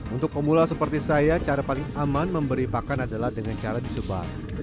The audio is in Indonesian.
untuk pemula seperti saya cara paling aman memberi pakan adalah dengan cara disebar